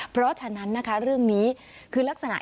เพราะฉะนั้นนะคะเรื่องนี้คือลักษณะ